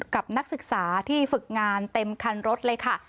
นักศึกษาที่ฝึกงานเต็มคันรถเลยค่ะ